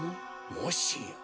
もしや。